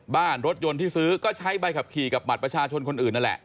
บ้านรถยนต์ที่ซื้อก็ใช้ใบขับขี่กับบัตรประชาชนคนอื่นนั่นแหละ